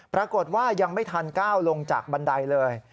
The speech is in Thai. ปรากฏว่ายังไม่ทันก้าวลงจากบันไดเลย